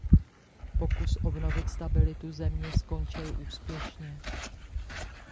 Pokus obnovit stabilitu země skončil úspěšně.